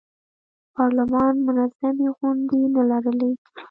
پارلمان منظمې غونډې نه لرلې.